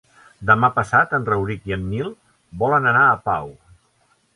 Demà passat en Rauric i en Nil volen anar a Pau.